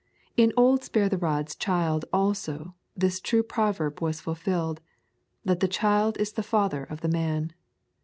In old Spare the Rod's child also this true proverb was fulfilled, that the child is the father of the man.